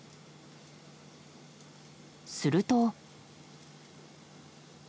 すると。